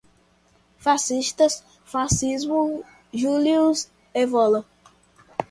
Fascistas, fascismo, Julius Evola